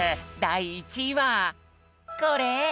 だい１位はこれ！